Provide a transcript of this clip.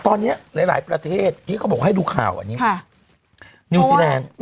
ตอนนี้หลายประเทศที่เขาบอกให้ดูข่าวอันนี้นิวซีแลนด์